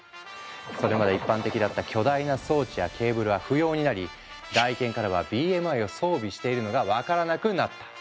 それまで一般的だった巨大な装置やケーブルは不要になり外見からはＢＭＩを装備しているのが分からなくなった。